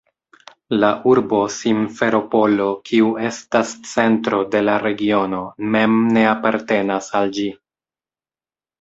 La urbo Simferopolo, kiu estas centro de la regiono, mem ne apartenas al ĝi.